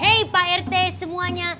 hei pak rt semuanya